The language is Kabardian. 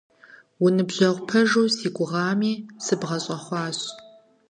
Уныбжьэгъу пэжу си гугъами, сыбгъэщӀэхъуащ.